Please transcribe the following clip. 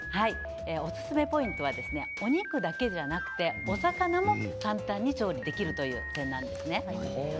おすすめポイントはお肉だけじゃなくてお魚も簡単に調理できるという点なんです。